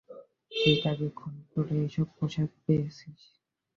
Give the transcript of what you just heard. তুই কাকে খুন করে এসব পোশাক পেয়েছিস?